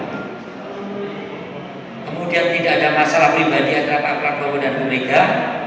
kemudian tidak ada masalah pribadi antara pak prabowo dan bumega